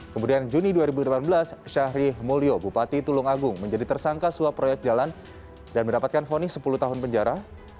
kemudian juni dua ribu delapan belas syahri mulyo bupati tulung agung menjadi tersangka suap proyek jalan dan mendapatkan fonis sepuluh tahun penjara